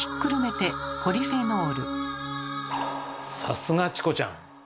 さすがチコちゃん。